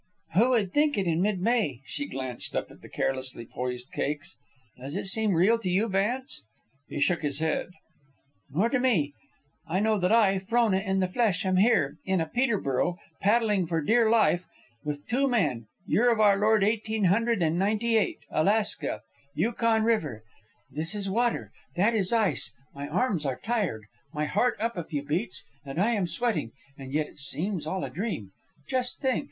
"Who would think it mid May?" She glanced up at the carelessly poised cakes. "Does it seem real to you, Vance?" He shook his head. "Nor to me. I know that I, Frona, in the flesh, am here, in a Peterborough, paddling for dear life with two men; year of our Lord eighteen hundred and ninety eight, Alaska, Yukon River; this is water, that is ice; my arms are tired, my heart up a few beats, and I am sweating, and yet it seems all a dream. Just think!